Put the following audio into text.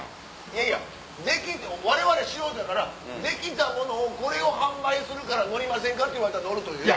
いやいやわれわれ素人やからできたものをこれを販売するから乗りませんか？と言われたら乗るという。